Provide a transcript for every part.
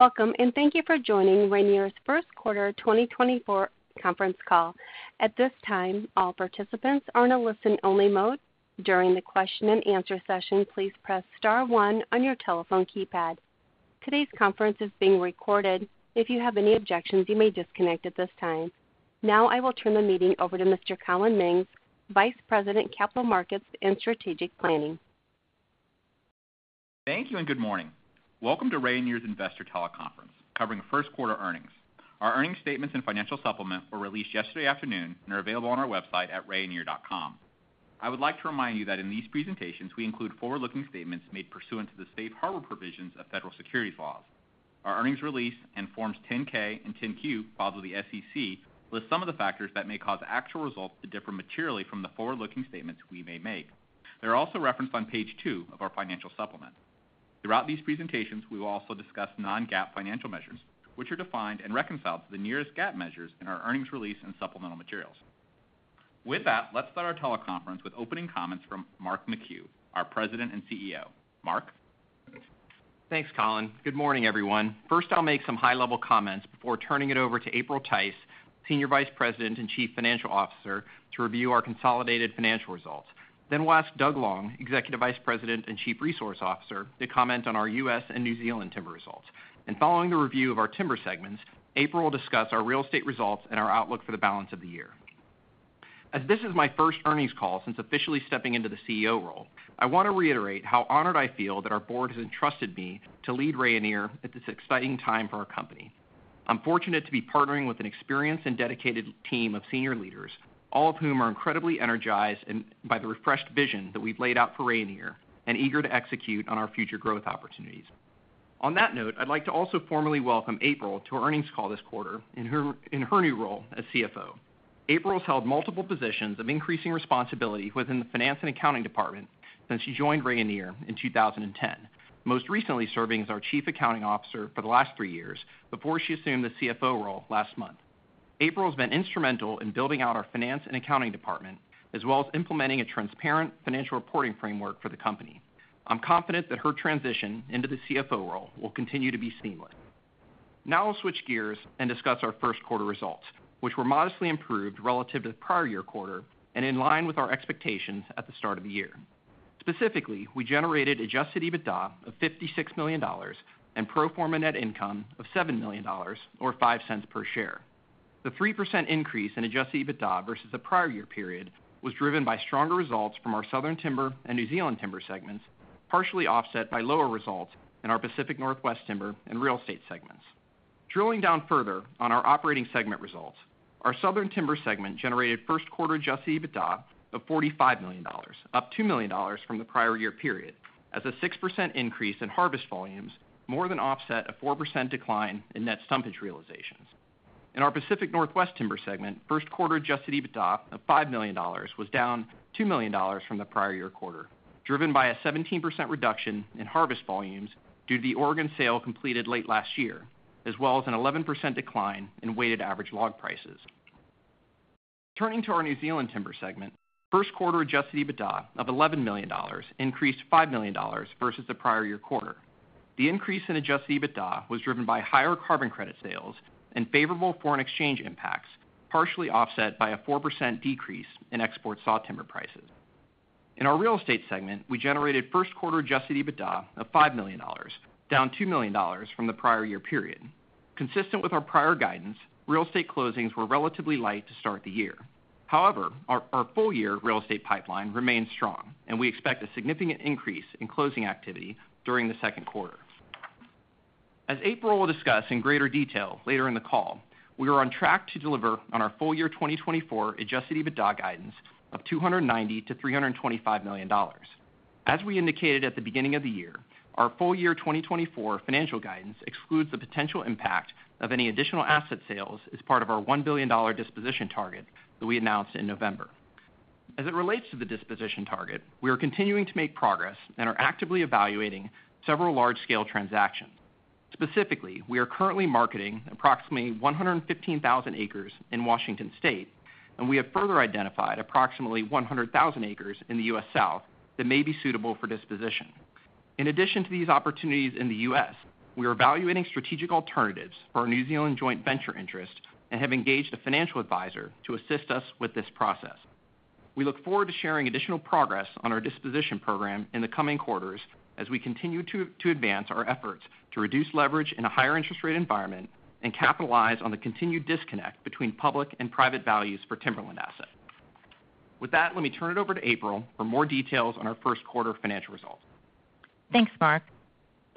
Welcome, and thank you for joining Rayonier's First Quarter 2024 Conference Call. At this time, all participants are in a listen-only mode. During the question and answer session, please press star one on your telephone keypad. Today's conference is being recorded. If you have any objections, you may disconnect at this time. Now, I will turn the meeting over to Mr. Collin Mings, Vice President, Capital Markets and Strategic Planning. Thank you, and good morning. Welcome to Rayonier's Investor Teleconference, covering the first quarter earnings. Our earnings statements and financial supplement were released yesterday afternoon and are available on our website at rayonier.com. I would like to remind you that in these presentations, we include forward-looking statements made pursuant to the safe harbor provisions of federal securities laws. Our earnings release and Forms 10-K and 10-Q filed with the SEC list some of the factors that may cause actual results to differ materially from the forward-looking statements we may make. They're also referenced on page two of our financial supplement. Throughout these presentations, we will also discuss non-GAAP financial measures, which are defined and reconciled to the nearest GAAP measures in our earnings release and supplemental materials. With that, let's start our teleconference with opening comments from Mark McHugh, our President and CEO. Mark? Thanks, Collin. Good morning, everyone. First, I'll make some high-level comments before turning it over to April Tice, Senior Vice President and Chief Financial Officer, to review our consolidated financial results. Then we'll ask Doug Long, Executive Vice President and Chief Resource Officer, to comment on our U.S. and New Zealand Timber results. Following the review of our timber segments, April will discuss our real estate results and our outlook for the balance of the year. As this is my first earnings call since officially stepping into the CEO role, I want to reiterate how honored I feel that our board has entrusted me to lead Rayonier at this exciting time for our company. I'm fortunate to be partnering with an experienced and dedicated team of senior leaders, all of whom are incredibly energized and by the refreshed vision that we've laid out for Rayonier and eager to execute on our future growth opportunities. On that note, I'd like to also formally welcome April to our earnings call this quarter in her new role as CFO. April's held multiple positions of increasing responsibility within the finance and accounting department since she joined Rayonier in 2010. Most recently, serving as our Chief Accounting Officer for the last three years before she assumed the CFO role last month. April's been instrumental in building out our finance and accounting department, as well as implementing a transparent financial reporting framework for the company. I'm confident that her transition into the CFO role will continue to be seamless. Now I'll switch gears and discuss our first quarter results, which were modestly improved relative to the prior year quarter and in line with our expectations at the start of the year. Specifically, we generated adjusted EBITDA of $56 million and pro forma net income of $7 million, or $0.05 per share. The 3% increase in adjusted EBITDA versus the prior year period was driven by stronger results from our Southern Timber and New Zealand Timber segments, partially offset by lower results in our Pacific Northwest Timber and Real Estate segments. Drilling down further on our operating segment results, our Southern Timber segment generated first quarter adjusted EBITDA of $45 million, up $2 million from the prior year period, as a 6% increase in harvest volumes more than offset a 4% decline in net stumpage realizations. In our Pacific Northwest Timber segment, first quarter adjusted EBITDA of $5 million was down $2 million from the prior year quarter, driven by a 17% reduction in harvest volumes due to the Oregon sale completed late last year, as well as an 11% decline in weighted average log prices. Turning to our New Zealand Timber segment, first quarter adjusted EBITDA of $11 million increased $5 million versus the prior year quarter. The increase in adjusted EBITDA was driven by higher carbon credit sales and favorable foreign exchange impacts, partially offset by a 4% decrease in export sawtimber prices. In our Real Estate segment, we generated first quarter adjusted EBITDA of $5 million, down $2 million from the prior year period. Consistent with our prior guidance, real estate closings were relatively light to start the year. However, our full-year real estate pipeline remains strong, and we expect a significant increase in closing activity during the second quarter. As April will discuss in greater detail later in the call, we are on track to deliver on our full-year 2024 adjusted EBITDA guidance of $290 million-$325 million. As we indicated at the beginning of the year, our full-year 2024 financial guidance excludes the potential impact of any additional asset sales as part of our $1 billion disposition target that we announced in November. As it relates to the disposition target, we are continuing to make progress and are actively evaluating several large-scale transactions. Specifically, we are currently marketing approximately 115,000 acres in Washington State, and we have further identified approximately 100,000 acres in the U.S. South that may be suitable for disposition. In addition to these opportunities in the U.S., we are evaluating strategic alternatives for our New Zealand joint venture interest and have engaged a financial advisor to assist us with this process. We look forward to sharing additional progress on our disposition program in the coming quarters as we continue to advance our efforts to reduce leverage in a higher interest rate environment and capitalize on the continued disconnect between public and private values for timberland assets. With that, let me turn it over to April for more details on our first quarter financial results. Thanks, Mark.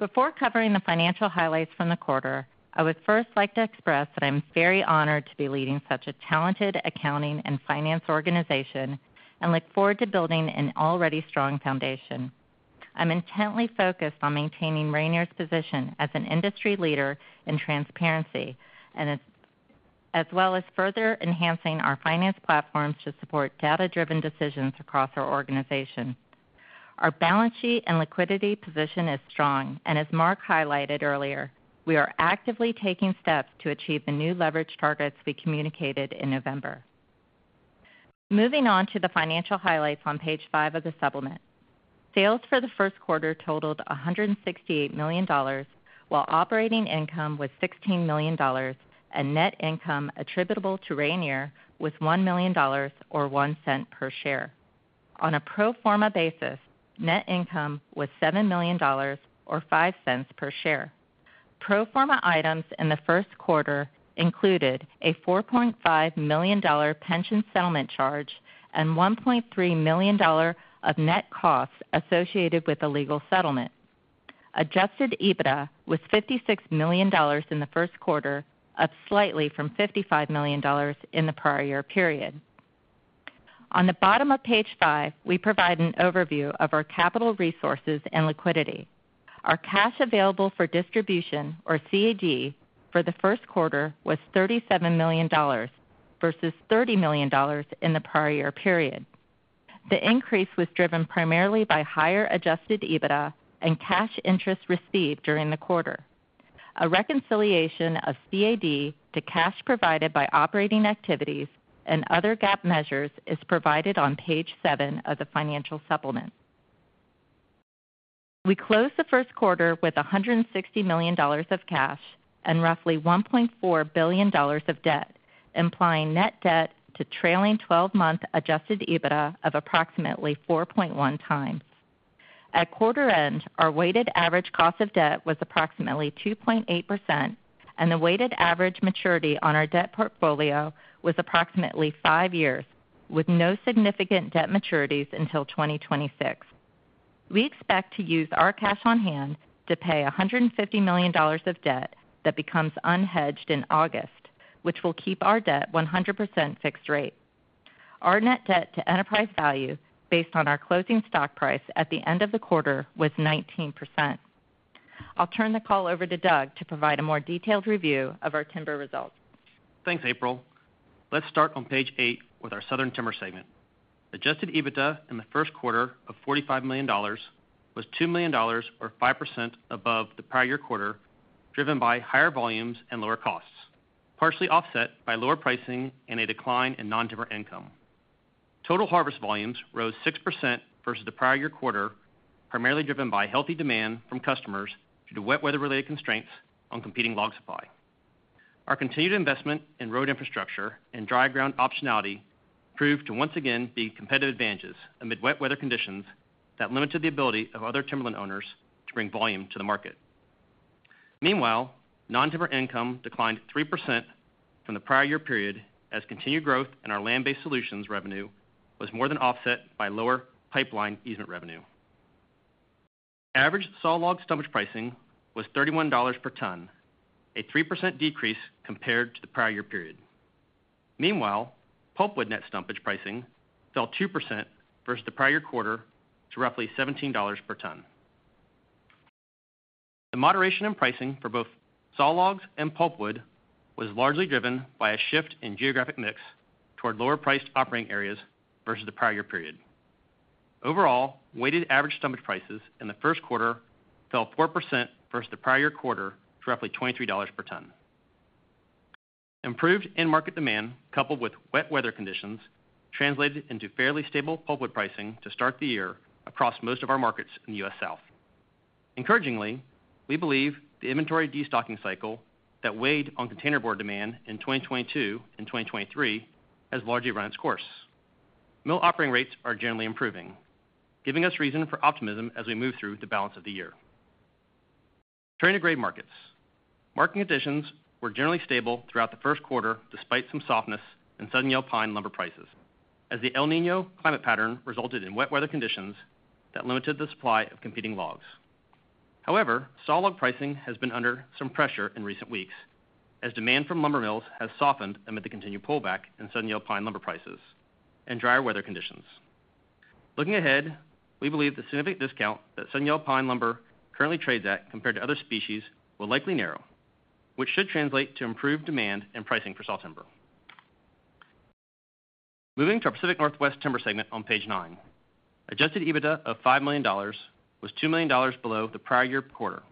Before covering the financial highlights from the quarter, I would first like to express that I'm very honored to be leading such a talented accounting and finance organization and look forward to building an already strong foundation. I'm intently focused on maintaining Rayonier's position as an industry leader in transparency, and as well as further enhancing our finance platforms to support data-driven decisions across our organization. Our balance sheet and liquidity position is strong, and as Mark highlighted earlier, we are actively taking steps to achieve the new leverage targets we communicated in November. Moving on to the financial highlights on page five of the supplement. Sales for the first quarter totaled $168 million, while operating income was $16 million, and net income attributable to Rayonier was $1 million, or $0.01 per share. On a pro forma basis, net income was $7 million, or $0.05 per share. Pro forma items in the first quarter included a $4.5 million pension settlement charge and $1.3 million of net costs associated with the legal settlement. Adjusted EBITDA was $56 million in the first quarter, up slightly from $55 million in the prior year period. On the bottom of page five, we provide an overview of our capital resources and liquidity. Our cash available for distribution, or CAD, for the first quarter was $37 million, versus $30 million in the prior year period. The increase was driven primarily by higher adjusted EBITDA and cash interest received during the quarter. A reconciliation of CAD to cash provided by operating activities and other GAAP measures is provided on page seven of the financial supplement. We closed the first quarter with $160 million of cash and roughly $1.4 billion of debt, implying net debt to trailing 12-month Adjusted EBITDA of approximately 4.1x. At quarter end, our weighted average cost of debt was approximately 2.8%, and the weighted average maturity on our debt portfolio was approximately five years, with no significant debt maturities until 2026. We expect to use our cash on hand to pay $150 million of debt that becomes unhedged in August, which will keep our debt 100% fixed rate. Our net debt to enterprise value, based on our closing stock price at the end of the quarter, was 19%. I'll turn the call over to Doug to provide a more detailed review of our timber results. Thanks, April. Let's start on page eight with our Southern Timber segment. Adjusted EBITDA in the first quarter of $45 million was $2 million, or 5% above the prior year quarter, driven by higher volumes and lower costs, partially offset by lower pricing and a decline in non-timber income. Total harvest volumes rose 6% versus the prior year quarter, primarily driven by healthy demand from customers due to wet weather-related constraints on competing log supply. Our continued investment in road infrastructure and dry ground optionality proved to once again be competitive advantages amid wet weather conditions that limited the ability of other timberland owners to bring volume to the market. Meanwhile, non-timber income declined 3% from the prior year period, as continued growth in our Land-Based Solutions revenue was more than offset by lower pipeline easement revenue. Average sawlog stumpage pricing was $31 per ton, a 3% decrease compared to the prior year period. Meanwhile, pulpwood net stumpage pricing fell 2% versus the prior year quarter to roughly $17 per ton. The moderation in pricing for both sawlogs and pulpwood was largely driven by a shift in geographic mix toward lower-priced operating areas versus the prior year period. Overall, weighted average stumpage prices in the first quarter fell 4% versus the prior year quarter to roughly $23 per ton. Improved end market demand, coupled with wet weather conditions, translated into fairly stable pulpwood pricing to start the year across most of our markets in the U.S. South. Encouragingly, we believe the inventory destocking cycle that weighed on containerboard demand in 2022 and 2023 has largely run its course. Mill operating rates are generally improving, giving us reason for optimism as we move through the balance of the year. Turning to grade markets. Market conditions were generally stable throughout the first quarter, despite some softness in Southern yellow pine lumber prices, as the El Niño climate pattern resulted in wet weather conditions that limited the supply of competing logs. However, sawlog pricing has been under some pressure in recent weeks, as demand from lumber mills has softened amid the continued pullback in Southern yellow pine lumber prices and drier weather conditions. Looking ahead, we believe the significant discount that Southern yellow pine lumber currently trades at compared to other species will likely narrow, which should translate to improved demand and pricing for sawtimber. Moving to our Pacific Northwest Timber segment on page nine. Adjusted EBITDA of $5 million was $2 million below the prior year quarter.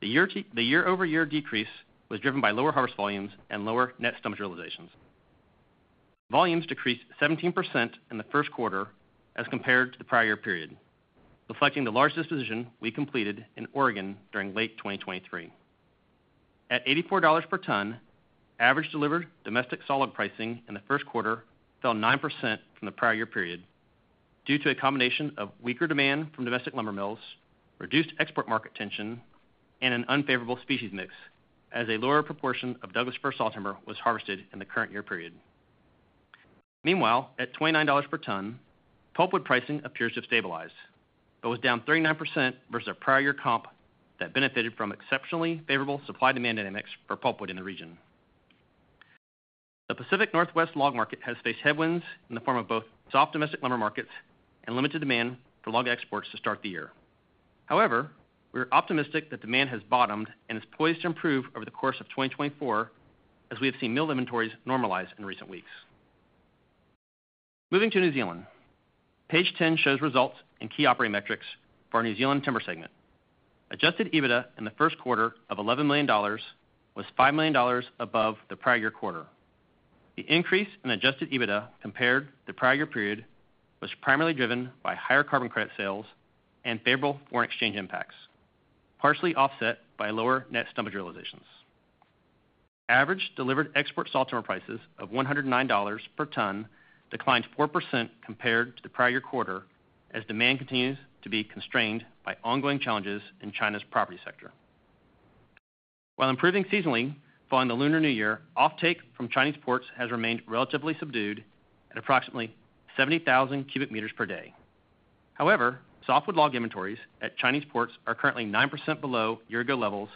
The year-over-year decrease was driven by lower harvest volumes and lower net stumpage realizations. Volumes decreased 17% in the first quarter as compared to the prior period, reflecting the largest disposition we completed in Oregon during late 2023. At $84 per ton, average delivered domestic sawlog pricing in the first quarter fell 9% from the prior year period due to a combination of weaker demand from domestic lumber mills, reduced export market tension, and an unfavorable species mix, as a lower proportion of Douglas fir sawtimber was harvested in the current year period. Meanwhile, at $29 per ton, pulpwood pricing appears to have stabilized, but was down 39% versus a prior year comp that benefited from exceptionally favorable supply-demand dynamics for pulpwood in the region. The Pacific Northwest log market has faced headwinds in the form of both soft domestic lumber markets and limited demand for log exports to start the year. However, we're optimistic that demand has bottomed and is poised to improve over the course of 2024, as we have seen mill inventories normalize in recent weeks. Moving to New Zealand. Page 10 shows results and key operating metrics for our New Zealand Timber segment. Adjusted EBITDA in the first quarter of $11 million was $5 million above the prior year quarter. The increase in adjusted EBITDA compared to the prior year period was primarily driven by higher carbon credit sales and favorable foreign exchange impacts, partially offset by lower net stump realizations. Average delivered export sawtimber prices of $109 per ton declined 4% compared to the prior year quarter, as demand continues to be constrained by ongoing challenges in China's property sector. While improving seasonally, following the Lunar New Year, offtake from Chinese ports has remained relatively subdued at approximately 70,000 cubic meters per day. However, softwood log inventories at Chinese ports are currently 9% below year-ago levels,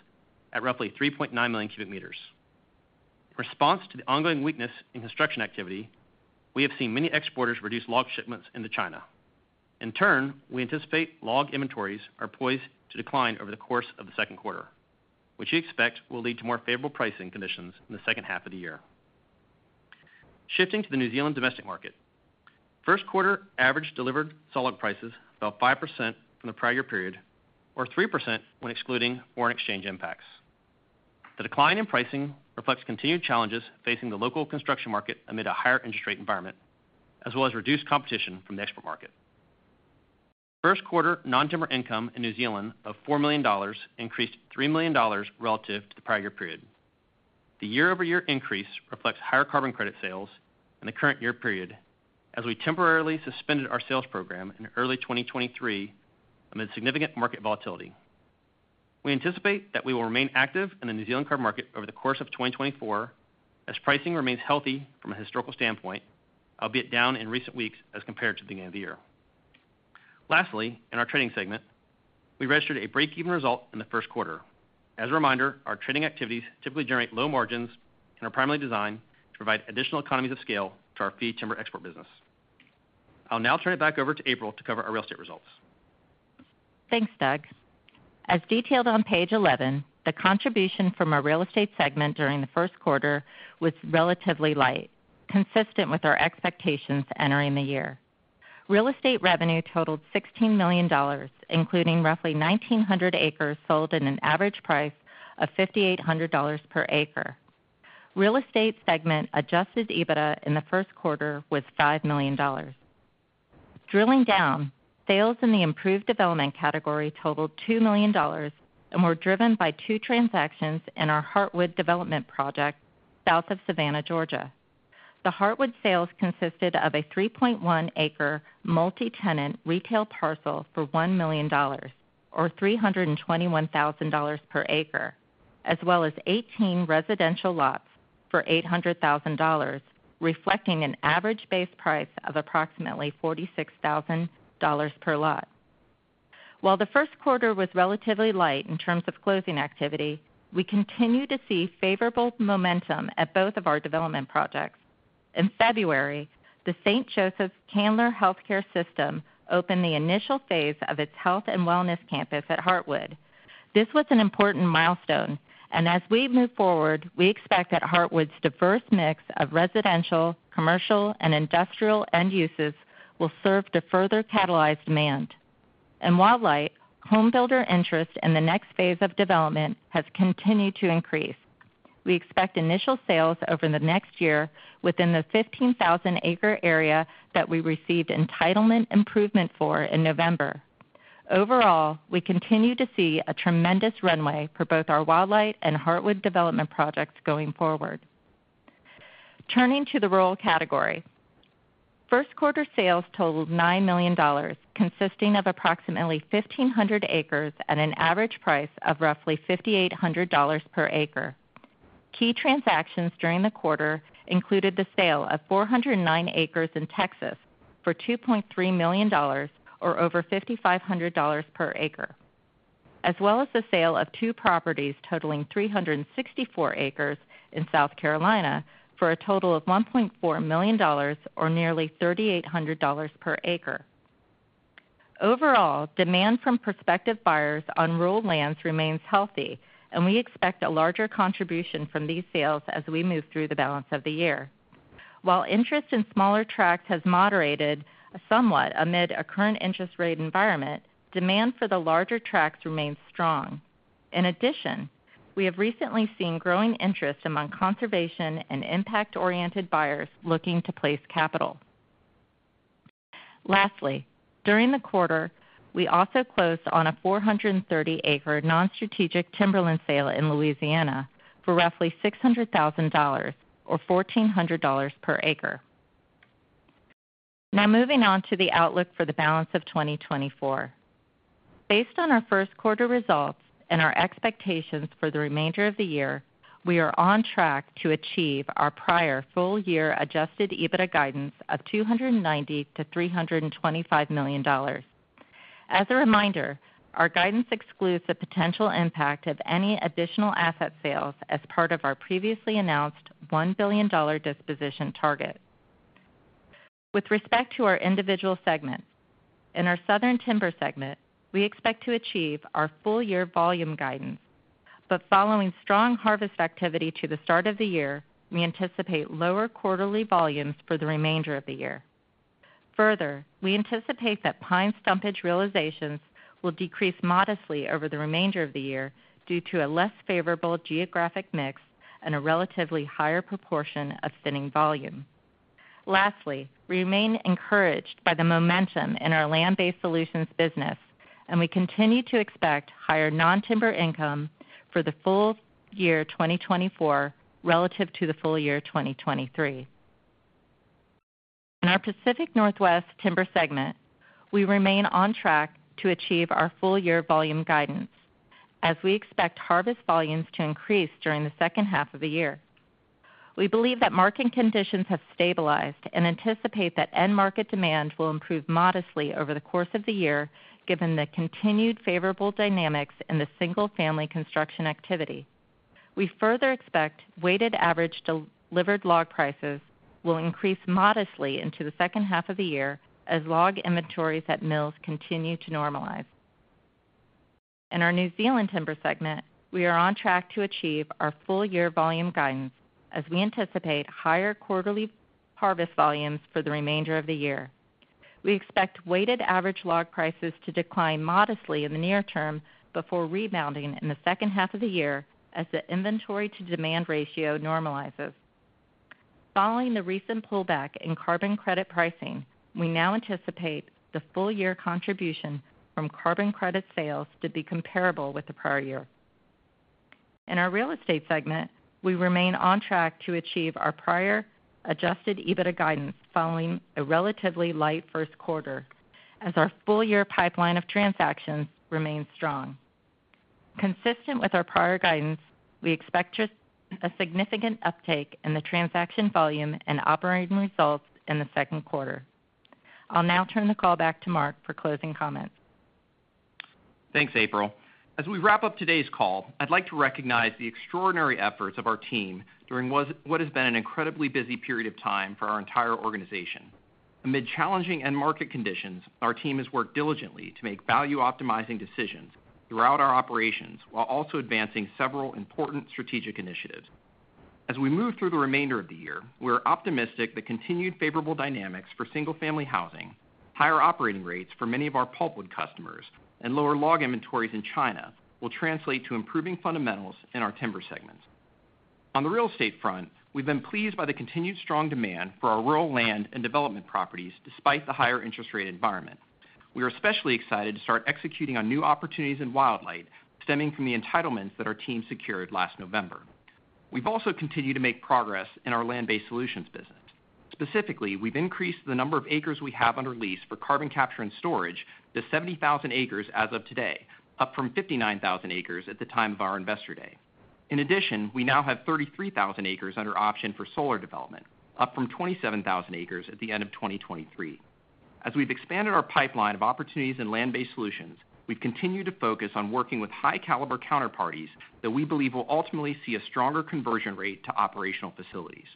at roughly 3.9 million cubic meters. In response to the ongoing weakness in construction activity, we have seen many exporters reduce log shipments into China. In turn, we anticipate log inventories are poised to decline over the course of the second quarter, which we expect will lead to more favorable pricing conditions in the second half of the year. Shifting to the New Zealand domestic market. First quarter average delivered sawlog prices fell 5% from the prior period, or 3% when excluding foreign exchange impacts. The decline in pricing reflects continued challenges facing the local construction market amid a higher interest rate environment, as well as reduced competition from the export market. First quarter non-timber income in New Zealand of $4 million increased $3 million relative to the prior year period. The year-over-year increase reflects higher carbon credit sales in the current year period, as we temporarily suspended our sales program in early 2023 amid significant market volatility. We anticipate that we will remain active in the New Zealand carbon market over the course of 2024, as pricing remains healthy from a historical standpoint, albeit down in recent weeks as compared to the end of the year. Lastly, in our Trading segment, we registered a break-even result in the first quarter. As a reminder, our trading activities typically generate low margins and are primarily designed to provide additional economies of scale to our fee timber export business. I'll now turn it back over to April to cover our real estate results. Thanks, Doug. As detailed on page 11, the contribution from our Real Estate segment during the first quarter was relatively light, consistent with our expectations entering the year. Real estate revenue totaled $16 million, including roughly 1,900 acres sold at an average price of $5,800 per acre. Real Estate segment adjusted EBITDA in the first quarter was $5 million. Drilling down, sales in the improved development category totaled $2 million and were driven by two transactions in our Heartwood development project, south of Savannah, Georgia. The Heartwood sales consisted of a 3.1-acre multi-tenant retail parcel for $1 million, or $321,000 per acre, as well as 18 residential lots for $800,000, reflecting an average base price of approximately $46,000 per lot. While the first quarter was relatively light in terms of closing activity, we continue to see favorable momentum at both of our development projects. In February, the St. Joseph's/Candler Healthcare System opened the initial phase of its health and wellness campus at Heartwood. This was an important milestone, and as we move forward, we expect that Heartwood's diverse mix of residential, commercial, and industrial end uses will serve to further catalyze demand. In Wildlight, home builder interest in the next phase of development has continued to increase. We expect initial sales over the next year within the 15,000-acre area that we received entitlement improvement for in November. Overall, we continue to see a tremendous runway for both our Wildlight and Heartwood development projects going forward. Turning to the rural category. First quarter sales totaled $9 million, consisting of approximately 1,500 acres at an average price of roughly $5,800 per acre. Key transactions during the quarter included the sale of 409 acres in Texas for $2.3 million, or over $5,500 per acre, as well as the sale of two properties totaling 364 acres in South Carolina for a total of $1.4 million or nearly $3,800 per acre. Overall, demand from prospective buyers on rural lands remains healthy, and we expect a larger contribution from these sales as we move through the balance of the year. While interest in smaller tracts has moderated somewhat amid a current interest rate environment, demand for the larger tracts remains strong. In addition, we have recently seen growing interest among conservation and impact-oriented buyers looking to place capital. Lastly, during the quarter, we also closed on a 430-acre non-strategic timberland sale in Louisiana for roughly $600,000, or $1,400 per acre. Now, moving on to the outlook for the balance of 2024. Based on our first quarter results and our expectations for the remainder of the year, we are on track to achieve our prior full-year adjusted EBITDA guidance of $290 million-$325 million. As a reminder, our guidance excludes the potential impact of any additional asset sales as part of our previously announced $1 billion disposition target. With respect to our individual segments, in our Southern Timber segment, we expect to achieve our full-year volume guidance. Following strong harvest activity to the start of the year, we anticipate lower quarterly volumes for the remainder of the year. Further, we anticipate that pine stumpage realizations will decrease modestly over the remainder of the year due to a less favorable geographic mix and a relatively higher proportion of thinning volume. Lastly, we remain encouraged by the momentum in our Land-Based Solutions business, and we continue to expect higher non-timber income for the full year 2024 relative to the full year 2023. In our Pacific Northwest Timber segment, we remain on track to achieve our full-year volume guidance, as we expect harvest volumes to increase during the second half of the year. We believe that market conditions have stabilized and anticipate that end market demand will improve modestly over the course of the year, given the continued favorable dynamics in the single-family construction activity. We further expect weighted average delivered log prices will increase modestly into the second half of the year as log inventories at mills continue to normalize. In our New Zealand timber segment, we are on track to achieve our full-year volume guidance as we anticipate higher quarterly harvest volumes for the remainder of the year. We expect weighted average log prices to decline modestly in the near term before rebounding in the second half of the year as the inventory-to-demand ratio normalizes. Following the recent pullback in carbon credit pricing, we now anticipate the full-year contribution from carbon credit sales to be comparable with the prior year. In our Real Estate segment, we remain on track to achieve our prior adjusted EBITDA guidance, following a relatively light first quarter, as our full-year pipeline of transactions remains strong. Consistent with our prior guidance, we expect just a significant uptake in the transaction volume and operating results in the second quarter. I'll now turn the call back to Mark for closing comments. Thanks, April. As we wrap up today's call, I'd like to recognize the extraordinary efforts of our team during what has been an incredibly busy period of time for our entire organization. Amid challenging end market conditions, our team has worked diligently to make value-optimizing decisions throughout our operations, while also advancing several important strategic initiatives. As we move through the remainder of the year, we're optimistic that continued favorable dynamics for single-family housing, higher operating rates for many of our pulpwood customers, and lower log inventories in China will translate to improving fundamentals in our timber segments. On the real estate front, we've been pleased by the continued strong demand for our rural land and development properties, despite the higher interest rate environment. We are especially excited to start executing on new opportunities in Wildlight, stemming from the entitlements that our team secured last November. We've also continued to make progress in our Land-Based Solutions business. Specifically, we've increased the number of acres we have under lease for carbon capture and storage to 70,000 acres as of today, up from 59,000 acres at the time of our Investor Day. In addition, we now have 33,000 acres under option for solar development, up from 27,000 acres at the end of 2023. As we've expanded our pipeline of opportunities in Land-Based Solutions, we've continued to focus on working with high-caliber counterparties that we believe will ultimately see a stronger conversion rate to operational facilities.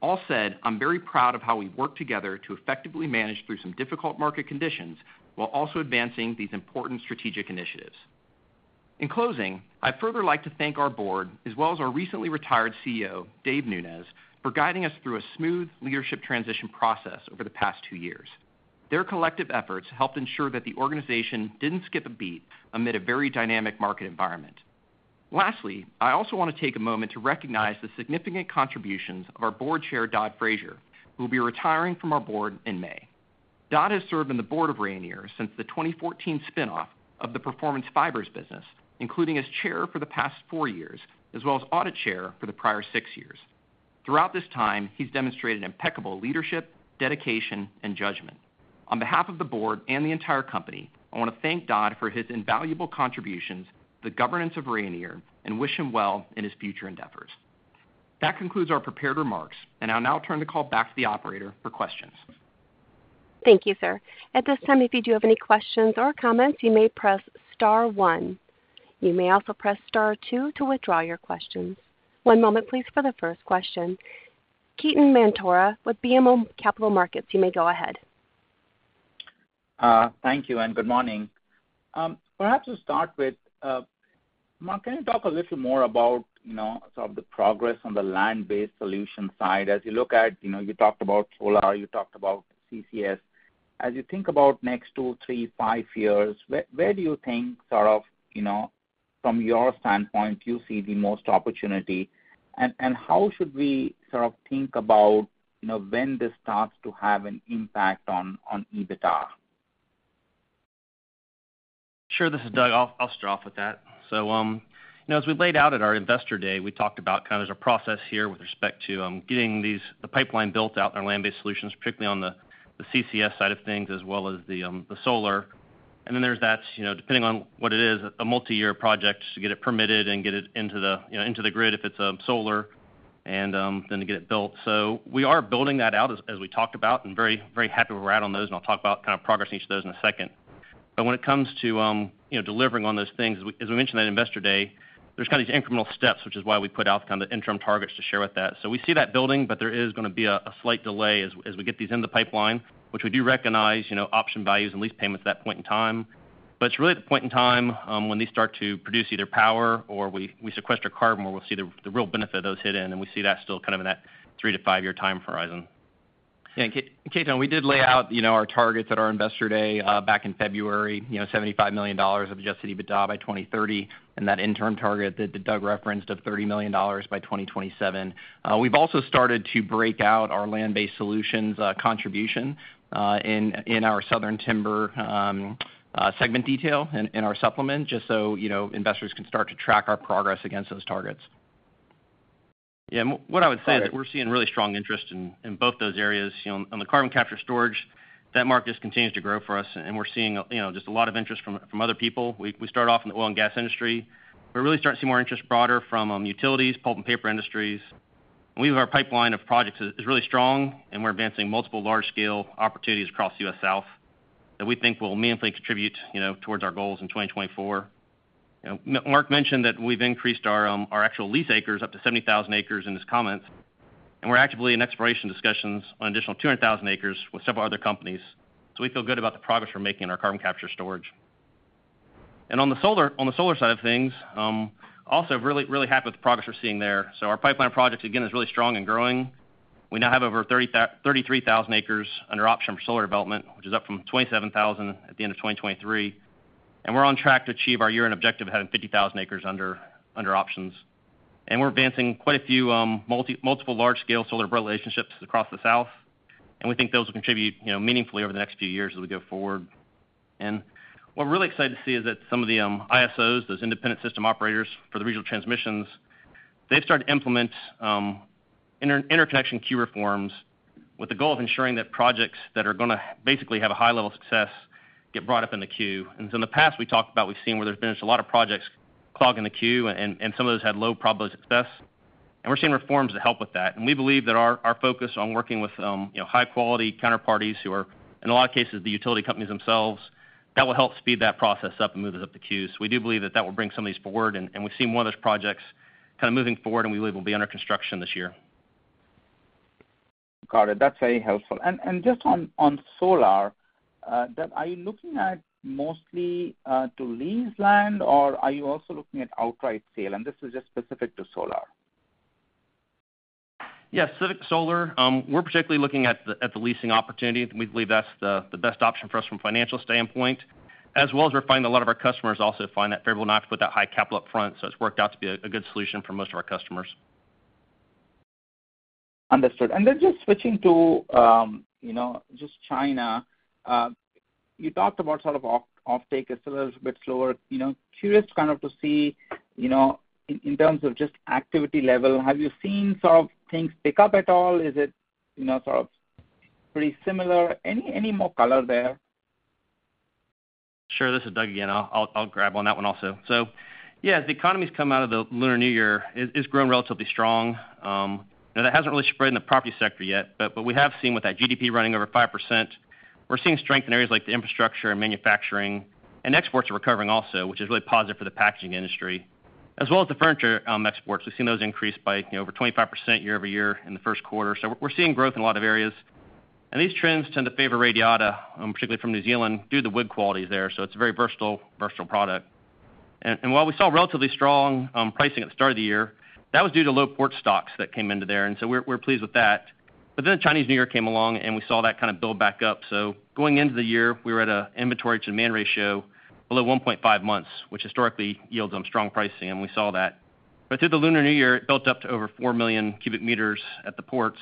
All said, I'm very proud of how we've worked together to effectively manage through some difficult market conditions, while also advancing these important strategic initiatives. In closing, I'd further like to thank our board, as well as our recently retired CEO, David Nunes, for guiding us through a smooth leadership transition process over the past two years. Their collective efforts helped ensure that the organization didn't skip a beat amid a very dynamic market environment. Lastly, I also want to take a moment to recognize the significant contributions of our board chair, Dod Fraser, who will be retiring from our board in May. Dod has served on the board of Rayonier since the 2014 spinoff of the Performance Fibers business, including as chair for the past four years, as well as audit chair for the prior six years. Throughout this time, he's demonstrated impeccable leadership, dedication, and judgment. On behalf of the board and the entire company, I want to thank Dod for his invaluable contributions to the governance of Rayonier and wish him well in his future endeavors. That concludes our prepared remarks, and I'll now turn the call back to the operator for questions. Thank you, sir. At this time, if you do have any questions or comments, you may press star one. You may also press star two to withdraw your questions. One moment, please, for the first question. Ketan Mamtora with BMO Capital Markets, you may go ahead. Thank you, and good morning. Perhaps to start with, Mark, can you talk a little more about, you know, sort of the progress on the land-based solution side? As you look at, you know, you talked about solar, you talked about CCS. As you think about next two, three, five years, where, where do you think, sort of, you know, from your standpoint, you see the most opportunity, and, and how should we sort of think about, you know, when this starts to have an impact on, on EBITDA? Sure, this is Doug. I'll start off with that. So, you know, as we laid out at our Investor Day, we talked about kind of there's a process here with respect to getting the pipeline built out in our Land-Based Solutions, particularly on the CCS side of things, as well as the solar. And then there's that, you know, depending on what it is, a multiyear project to get it permitted and get it into the, you know, into the grid, if it's solar, and then to get it built. So we are building that out, as we talked about, and very, very happy where we're at on those, and I'll talk about kind of progress on each of those in a second. But when it comes to, you know, delivering on those things, as we, as we mentioned at Investor Day, there's kind of these incremental steps, which is why we put out kind of the interim targets to share with that. So we see that building, but there is gonna be a, a slight delay as we, as we get these in the pipeline, which we do recognize, you know, option values and lease payments at that point in time. But it's really at the point in time, when these start to produce either power or we, we sequester carbon, where we'll see the, the real benefit of those hit in, and we see that still kind of in that three to five-year time horizon. Yeah, and Ketan, we did lay out, you know, our targets at our investor day back in February, you know, $75 million of adjusted EBITDA by 2030, and that interim target that Doug referenced of $30 million by 2027. We've also started to break out our Land-Based Solutions contribution in our Southern Timber segment detail in our supplement, just so, you know, investors can start to track our progress against those targets. Yeah, what I would say is that we're seeing really strong interest in both those areas. You know, on the carbon capture storage, that market just continues to grow for us, and we're seeing, you know, just a lot of interest from other people. We start off in the oil and gas industry. We're really starting to see more interest broader from utilities, pulp and paper industries. We have our pipeline of projects is really strong, and we're advancing multiple large-scale opportunities across the U.S. South that we think will meaningfully contribute, you know, towards our goals in 2024. You know, Mark mentioned that we've increased our actual lease acres up to 70,000 acres in his comments, and we're actively in exploration discussions on an additional 200,000 acres with several other companies. So we feel good about the progress we're making in our carbon capture storage. And on the solar, on the solar side of things, also really, really happy with the progress we're seeing there. So our pipeline of projects, again, is really strong and growing. We now have over 33,000 acres under option for solar development, which is up from 27,000 at the end of 2023. We're on track to achieve our year-end objective of having 50,000 acres under options. We're advancing quite a few multiple large-scale solar relationships across the South, and we think those will contribute, you know, meaningfully over the next few years as we go forward. What we're really excited to see is that some of the ISOs, those independent system operators for the regional transmissions, they've started to implement interconnection queue reforms with the goal of ensuring that projects that are gonna basically have a high level of success get brought up in the queue. And so in the past, we talked about we've seen where there's been a lot of projects clogging the queue, and some of those had low probability of success. And we're seeing reforms to help with that. And we believe that our focus on working with, you know, high quality counterparties who are, in a lot of cases, the utility companies themselves, that will help speed that process up and move it up the queue. So we do believe that that will bring some of these forward, and we've seen one of those projects kind of moving forward, and we believe will be under construction this year. Got it. That's very helpful. And just on solar, that are you looking at mostly to lease land, or are you also looking at outright sale? And this is just specific to solar. Yes, specific to solar, we're particularly looking at the leasing opportunity. We believe that's the best option for us from a financial standpoint, as well as we're finding a lot of our customers also find that favorable not to put that high capital up front. So it's worked out to be a good solution for most of our customers. Understood. And then just switching to, you know, just China. You talked about sort of offtake is still a little bit slower. You know, curious kind of to see, you know, in terms of just activity level, have you seen sort of things pick up at all? Is it, you know, sort of pretty similar? Any more color there? Sure. This is Doug again. I'll grab on that one also. So yeah, as the economy's come out of the Lunar New Year, it has grown relatively strong. Now, that hasn't really spread in the property sector yet, but we have seen with that GDP running over 5%, we're seeing strength in areas like the infrastructure and manufacturing, and exports are recovering also, which is really positive for the packaging industry, as well as the furniture exports. We've seen those increase by, you know, over 25% year-over-year in the first quarter. So we're seeing growth in a lot of areas. And these trends tend to favor Radiata, particularly from New Zealand, due to the wood qualities there, so it's a very versatile product. And while we saw relatively strong pricing at the start of the year, that was due to low port stocks that came into there, and so we're pleased with that. But then the Chinese New Year came along, and we saw that kind of build back up. So going into the year, we were at a inventory to demand ratio below 1.5 months, which historically yields strong pricing, and we saw that. But through the Lunar New Year, it built up to over 4 million cubic meters at the ports.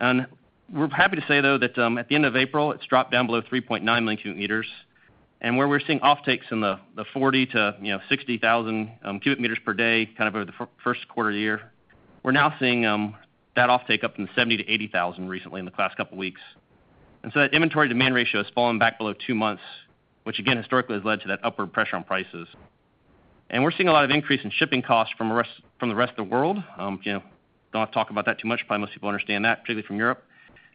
And we're happy to say, though, that at the end of April, it's dropped down below 3.9 million cubic meters. And where we're seeing offtakes in the 40,000-60,000 cubic meters per day, kind of over the first quarter of the year, we're now seeing that offtake up from 70,000-80,000 recently in the last couple weeks. And so that inventory demand ratio has fallen back below two months, which again, historically has led to that upward pressure on prices. And we're seeing a lot of increase in shipping costs from the rest of the world. You know, don't have to talk about that too much. Probably most people understand that, particularly from Europe.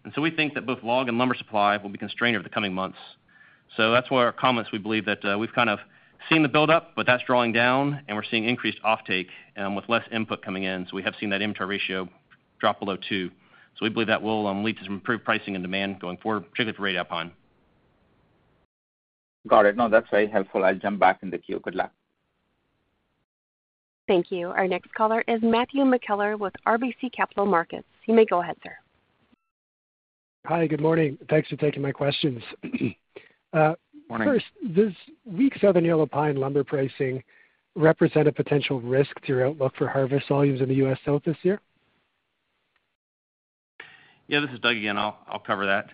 And so we think that both log and lumber supply will be constrained over the coming months. So that's why our comments, we believe that, we've kind of seen the buildup, but that's drawing down, and we're seeing increased offtake, with less input coming in. So we have seen that inventory ratio drop below two. So we believe that will, lead to some improved pricing and demand going forward, particularly for Radiata pine. Got it. No, that's very helpful. I'll jump back in the queue. Good luck. Thank you. Our next caller is Matthew McKellar with RBC Capital Markets. You may go ahead, sir. Hi, good morning. Thanks for taking my questions. Morning. First, does weak Southern yellow pine lumber pricing represent a potential risk to your outlook for harvest volumes in the U.S. South this year? Yeah, this is Doug again. I'll cover that.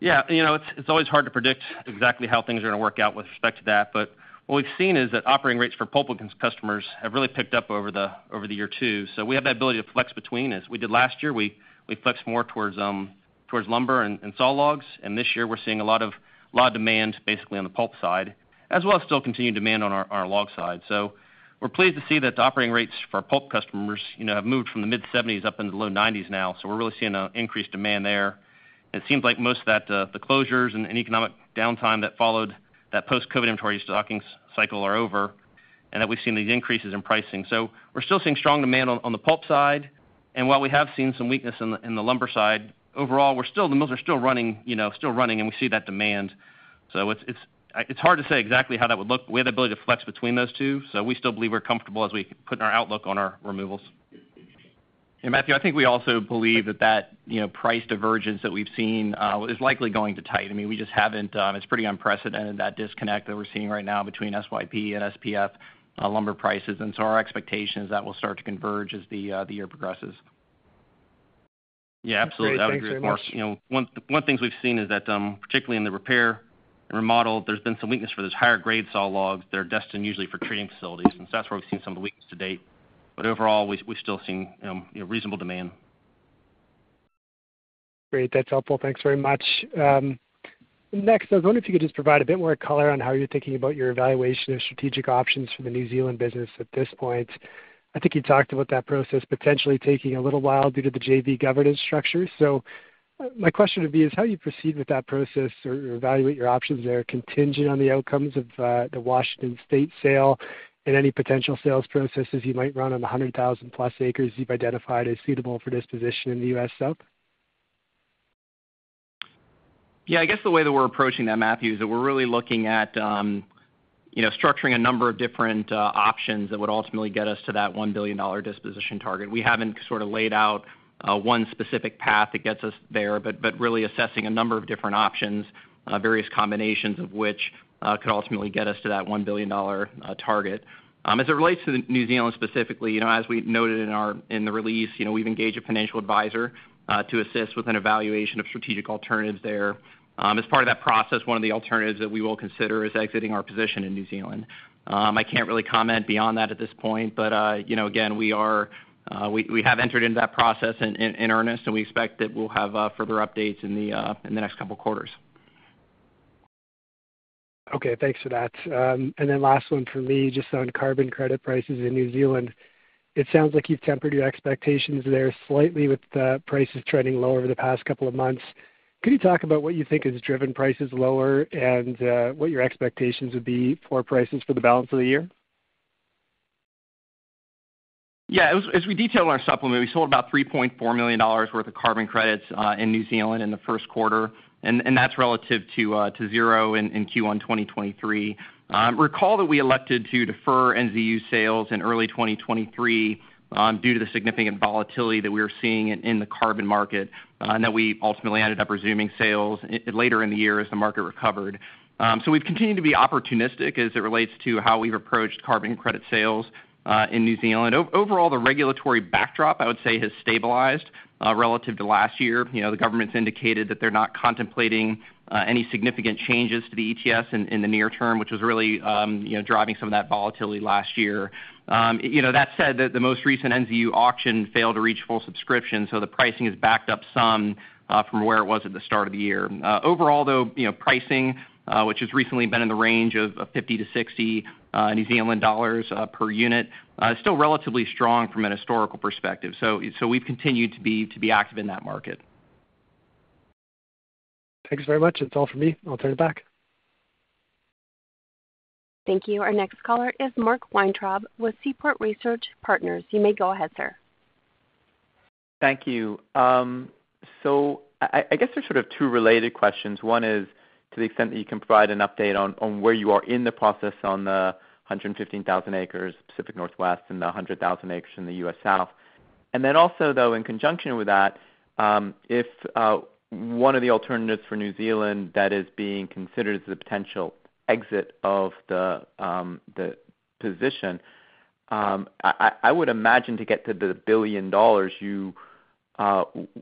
Yeah, you know, it's always hard to predict exactly how things are gonna work out with respect to that, but what we've seen is that operating rates for pulpwood customers have really picked up over the year, too. So we have the ability to flex between, as we did last year, we flexed more towards lumber and saw logs, and this year we're seeing a lot of demand basically on the pulp side, as well as still continued demand on our log side. So we're pleased to see that the operating rates for our pulp customers, you know, have moved from the mid-70s up into the low 90s now, so we're really seeing an increased demand there. It seems like most of that, the closures and economic downtime that followed that post-COVID inventory stocking cycle are over. And that we've seen these increases in pricing. So we're still seeing strong demand on the pulp side, and while we have seen some weakness in the lumber side, overall, we're still the mills are still running, you know, still running, and we see that demand. So it's hard to say exactly how that would look. We have the ability to flex between those two, so we still believe we're comfortable as we put in our outlook on our removals. Matthew, I think we also believe that that, you know, price divergence that we've seen is likely going to tighten. I mean, we just haven't. It's pretty unprecedented, that disconnect that we're seeing right now between SYP and SPF lumber prices, and so our expectation is that will start to converge as the year progresses. Yeah, absolutely. Great. Thanks very much. That would agree, Mark. You know, one of the things we've seen is that, particularly in the repair and remodel, there's been some weakness for those higher grade saw logs that are destined usually for treating facilities, and so that's where we've seen some of the weakness to date. But overall, we've still seen, you know, reasonable demand. Great. That's helpful. Thanks very much. Next, I was wondering if you could just provide a bit more color on how you're thinking about your evaluation of strategic options for the New Zealand business at this point. I think you talked about that process potentially taking a little while due to the JV governance structure. So, my question would be, is how you proceed with that process or evaluate your options there, contingent on the outcomes of, the Washington State sale and any potential sales processes you might run on the 100,000+ acres you've identified as suitable for disposition in the U.S. South? Yeah, I guess the way that we're approaching that, Matthew, is that we're really looking at, you know, structuring a number of different options that would ultimately get us to that $1 billion disposition target. We haven't sort of laid out one specific path that gets us there, but really assessing a number of different options, various combinations of which could ultimately get us to that $1 billion target. As it relates to New Zealand, specifically, you know, as we noted in the release, you know, we've engaged a financial advisor to assist with an evaluation of strategic alternatives there. As part of that process, one of the alternatives that we will consider is exiting our position in New Zealand. I can't really comment beyond that at this point, but, you know, again, we have entered into that process in earnest, and we expect that we'll have further updates in the next couple of quarters. Okay, thanks for that. And then last one for me, just on carbon credit prices in New Zealand. It sounds like you've tempered your expectations there slightly with the prices trending lower over the past couple of months. Could you talk about what you think has driven prices lower and, what your expectations would be for prices for the balance of the year? Yeah, as we detailed in our supplement, we sold about $3.4 million worth of carbon credits in New Zealand in the first quarter, and that's relative to zero in Q1 2023. Recall that we elected to defer NZU sales in early 2023 due to the significant volatility that we were seeing in the carbon market, and that we ultimately ended up resuming sales later in the year as the market recovered. So we've continued to be opportunistic as it relates to how we've approached carbon credit sales in New Zealand. Overall, the regulatory backdrop, I would say, has stabilized relative to last year. You know, the government's indicated that they're not contemplating any significant changes to the ETS in the near term, which was really, you know, driving some of that volatility last year. You know, that said, the most recent NZU auction failed to reach full subscription, so the pricing has backed up some from where it was at the start of the year. Overall, though, you know, pricing, which has recently been in the range of 50-60 New Zealand dollars per unit, is still relatively strong from an historical perspective. So we've continued to be active in that market. Thanks very much. That's all for me. I'll turn it back. Thank you. Our next caller is Mark Weintraub with Seaport Research Partners. You may go ahead, sir. Thank you. So I guess there's sort of two related questions. One is, to the extent that you can provide an update on where you are in the process on the 115,000 acres, Pacific Northwest, and the 100,000 acres in the U.S. South. And then also, though, in conjunction with that, if one of the alternatives for New Zealand that is being considered is the potential exit of the position, I would imagine to get to the $1 billion,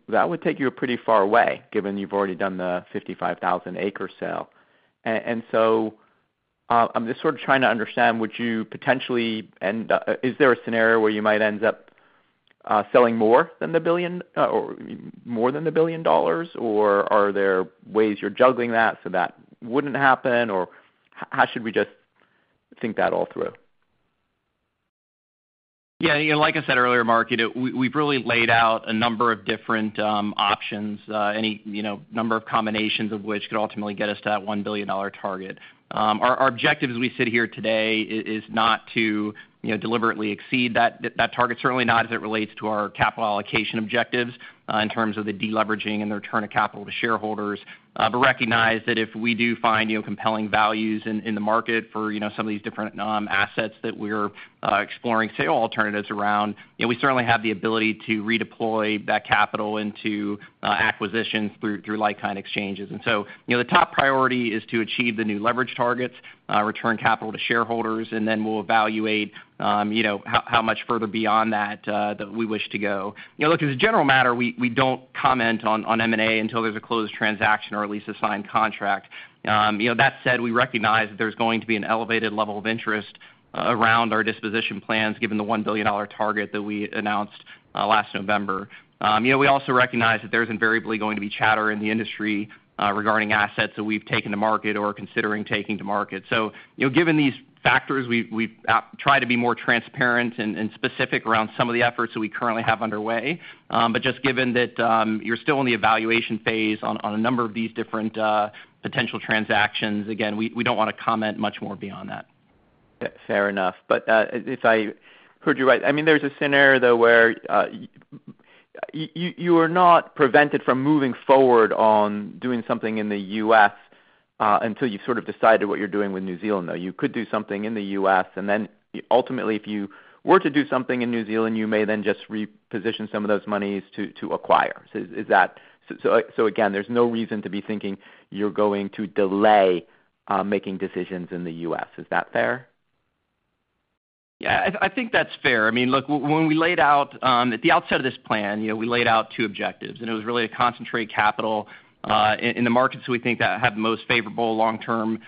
that would take you a pretty far away, given you've already done the 55,000-acre sale. I'm just sort of trying to understand, would you potentially end up, is there a scenario where you might end up selling more than $1 billion, or more than $1 billion? Or are there ways you're juggling that so that wouldn't happen, or how should we just think that all through? Yeah, you know, like I said earlier, Mark, you know, we, we've really laid out a number of different, options, any, you know, number of combinations of which could ultimately get us to that $1 billion target. Our, our objective as we sit here today is not to, you know, deliberately exceed that, that target, certainly not as it relates to our capital allocation objectives, in terms of the deleveraging and the return of capital to shareholders. But recognize that if we do find, you know, compelling values in, in the market for, you know, some of these different, assets that we're, exploring sale alternatives around, you know, we certainly have the ability to redeploy that capital into, acquisitions through, through like-kind exchanges. And so, you know, the top priority is to achieve the new leverage targets, return capital to shareholders, and then we'll evaluate, you know, how much further beyond that, that we wish to go. You know, look, as a general matter, we don't comment on M&A until there's a closed transaction or at least a signed contract. You know, that said, we recognize that there's going to be an elevated level of interest around our disposition plans, given the $1 billion target that we announced, last November. You know, we also recognize that there's invariably going to be chatter in the industry, regarding assets that we've taken to market or considering taking to market. So, you know, given these factors, we've tried to be more transparent and specific around some of the efforts that we currently have underway. But just given that, you're still in the evaluation phase on a number of these different potential transactions, again, we don't wanna comment much more beyond that. Fair enough. But, if I heard you right, I mean, there's a scenario, though, where, You are not prevented from moving forward on doing something in the U.S. until you've sort of decided what you're doing with New Zealand, though. You could do something in the U.S., and then ultimately, if you were to do something in New Zealand, you may then just reposition some of those monies to acquire. So is that - so again, there's no reason to be thinking you're going to delay making decisions in the U.S. Is that fair? Yeah, I think that's fair. I mean, look, when we laid out, at the outset of this plan, you know, we laid out two objectives, and it was really to concentrate capital, in the markets we think that have the most favorable long-term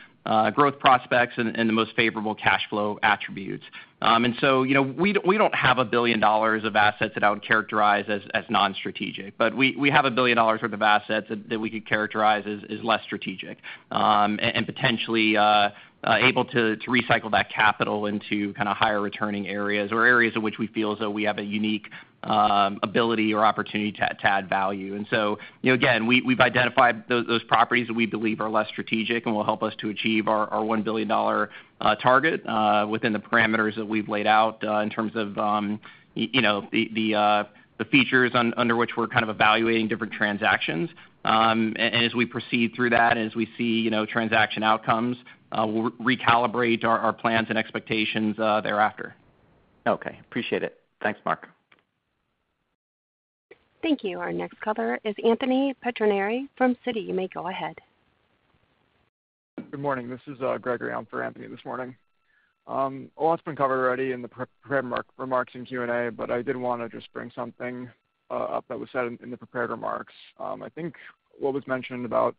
growth prospects and the most favorable cash flow attributes. And so, you know, we don't have $1 billion of assets that I would characterize as non-strategic, but we have $1 billion worth of assets that we could characterize as less strategic, and potentially able to recycle that capital into kind of higher returning areas or areas in which we feel as though we have a unique ability or opportunity to add value. And so, you know, again, we, we've identified those properties that we believe are less strategic and will help us to achieve our $1 billion target within the parameters that we've laid out in terms of, you know, the features under which we're kind of evaluating different transactions. And as we proceed through that, as we see, you know, transaction outcomes, we'll recalibrate our plans and expectations thereafter. Okay, appreciate it. Thanks, Mark. Thank you. Our next caller is Anthony Pettinari from Citi. You may go ahead. Good morning. This is Gregory in for Anthony this morning. A lot's been covered already in the pre-prepared remarks and Q&A, but I did want to just bring something up that was said in the prepared remarks. I think what was mentioned about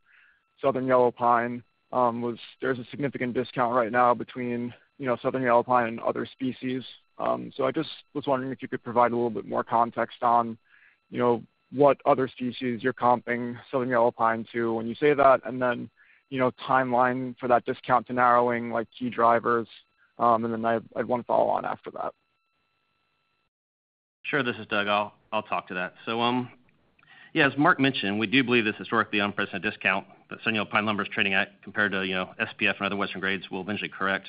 Southern yellow pine was there's a significant discount right now between, you know, Southern yellow pine and other species. So I just was wondering if you could provide a little bit more context on, you know, what other species you're comping Southern yellow pine to when you say that, and then, you know, timeline for that discount to narrowing, like, key drivers. And then I have one follow-on after that. Sure, this is Doug. I'll talk to that. So, yeah, as Mark mentioned, we do believe this historically unprecedented discount that Southern yellow pine lumber is trading at compared to, you know, SPF and other Western grades will eventually correct.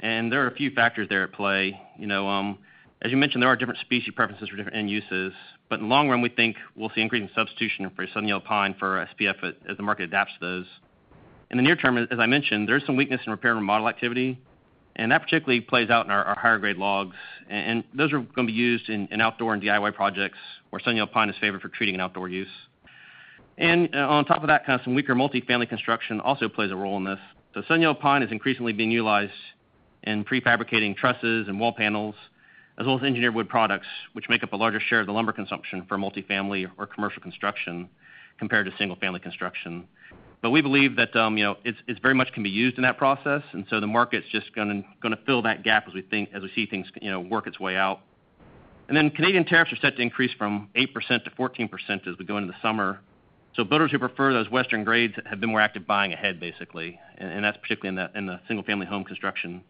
And there are a few factors there at play. You know, as you mentioned, there are different species preferences for different end uses, but in the long run, we think we'll see increasing substitution for Southern yellow pine for SPF as the market adapts to those. In the near term, as I mentioned, there is some weakness in repair and remodel activity, and that particularly plays out in our higher grade logs, and those are gonna be used in outdoor and DIY projects, where Southern yellow pine is favored for treating and outdoor use. And, on top of that, kind of some weaker multifamily construction also plays a role in this. So Southern yellow pine is increasingly being utilized in prefabricating trusses and wall panels, as well as engineered wood products, which make up a larger share of the lumber consumption for multifamily or commercial construction compared to single-family construction. But we believe that, you know, it's, it very much can be used in that process, and so the market's just gonna fill that gap as we see things, you know, work its way out. And then Canadian tariffs are set to increase from 8%-14% as we go into the summer. So builders who prefer those Western grades have been more active, buying ahead, basically, and, and that's particularly in the, in the single-family home construction.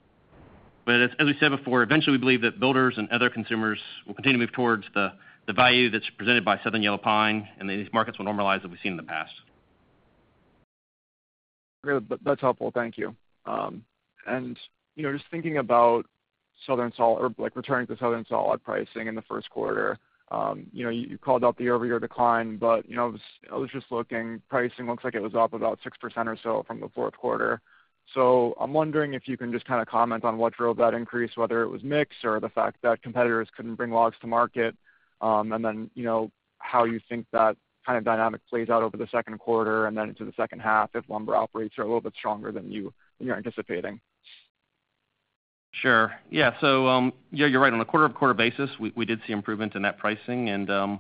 But as we said before, eventually we believe that builders and other consumers will continue to move towards the value that's presented by Southern yellow pine, and these markets will normalize as we've seen in the past. Great. That, that's helpful. Thank you. And, you know, just thinking about Southern sawlog returning to Southern sawlog pricing in the first quarter, you know, you, you called out the year-over-year decline, but, you know, I was, I was just looking, pricing looks like it was up about 6% or so from the fourth quarter. So I'm wondering if you can just kind of comment on what drove that increase, whether it was mix or the fact that competitors couldn't bring logs to market. And then, you know, how you think that kind of dynamic plays out over the second quarter and then into the second half if lumber operators are a little bit stronger than you, than you're anticipating. Sure. Yeah, so, yeah, you're right. On a quarter-over-quarter basis, we did see improvement in that pricing, and,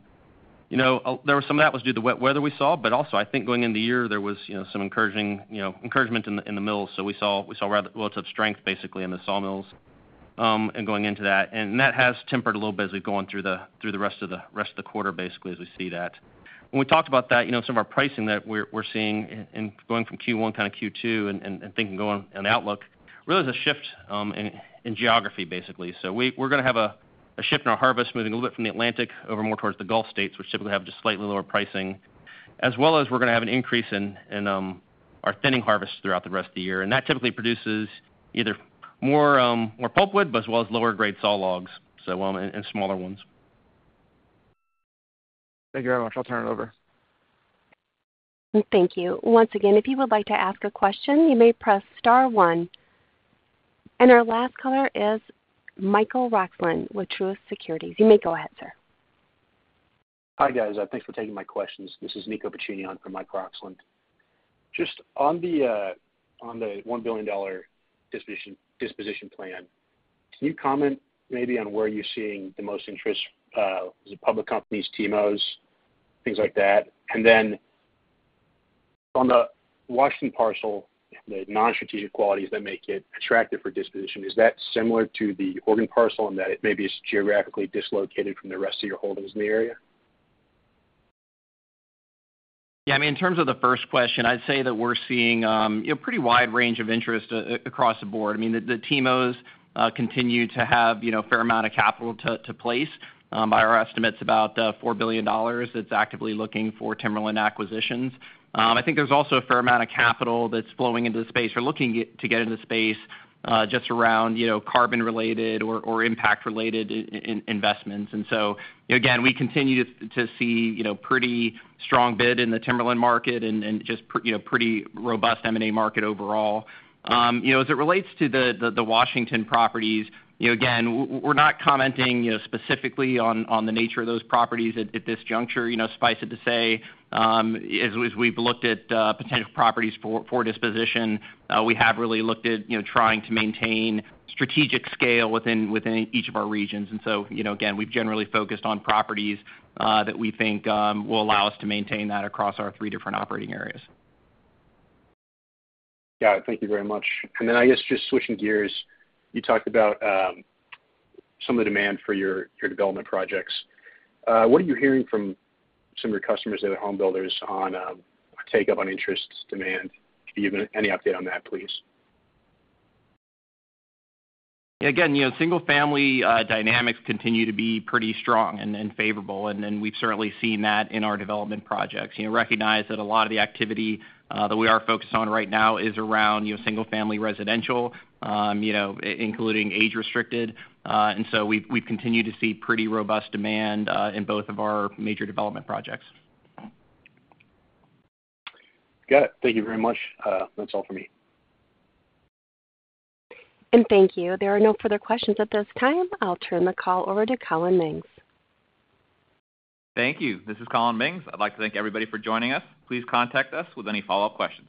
you know, there was some of that was due to wet weather we saw, but also I think going into the year, there was, you know, some encouraging, you know, encouragement in the, in the mills. So we saw rather relative strength, basically, in the sawmills, and going into that, and that has tempered a little bit as we've gone through the, through the rest of the, rest of the quarter, basically, as we see that. When we talked about that, you know, some of our pricing that we're seeing in, in going from Q1, kind of Q2 and, and thinking going on outlook, really there's a shift, in, in geography, basically. So we're gonna have a shift in our harvest, moving a little bit from the Atlantic over more towards the Gulf states, which typically have just slightly lower pricing. As well as we're gonna have an increase in our thinning harvest throughout the rest of the year, and that typically produces either more pulpwood but as well as lower grade sawlogs, so and smaller ones. Thank you very much. I'll turn it over. Thank you. Once again, if you would like to ask a question, you may press star one. Our last caller is Michael Roxland with Truist Securities. You may go ahead, sir. Hi, guys. Thanks for taking my questions. This is Nico Piccini on for Mike Roxland. Just on the $1 billion disposition plan, can you comment maybe on where you're seeing the most interest, is it public companies, TIMOs, things like that? And then on the Washington parcel, the non-strategic qualities that make it attractive for disposition, is that similar to the Oregon parcel in that it maybe is geographically dislocated from the rest of your holdings in the area? Yeah, I mean, in terms of the first question, I'd say that we're seeing, you know, pretty wide range of interest across the board. I mean, the, the TIMOs continue to have, you know, a fair amount of capital to place. By our estimates, about $4 billion that's actively looking for timberland acquisitions. I think there's also a fair amount of capital that's flowing into the space or looking to get into the space, just around, you know, carbon-related or impact-related investments. And so, again, we continue to see, you know, pretty strong bid in the timberland market and just pretty robust M&A market overall. You know, as it relates to the Washington properties, you know, again, we're not commenting, you know, specifically on the nature of those properties at this juncture. You know, suffice it to say, as we've looked at potential properties for disposition, we have really looked at, you know, trying to maintain strategic scale within each of our regions. And so, you know, again, we've generally focused on properties that we think will allow us to maintain that across our three different operating areas. Got it. Thank you very much. And then I guess just switching gears, you talked about some of the demand for your, your development projects. What are you hearing from some of your customers that are home builders on take up on interest, demand? Can you give any update on that, please? Again, you know, single family dynamics continue to be pretty strong and favorable, and then we've certainly seen that in our development projects. You know, recognize that a lot of the activity that we are focused on right now is around, you know, single family residential, including age restricted, and so we've continued to see pretty robust demand in both of our major development projects. Got it. Thank you very much. That's all for me. Thank you. There are no further questions at this time. I'll turn the call over to Collin Mings. Thank you. This is Collin Mings. I'd like to thank everybody for joining us. Please contact us with any follow-up questions.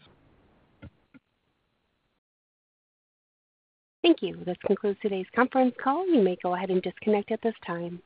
Thank you. This concludes today's conference call. You may go ahead and disconnect at this time.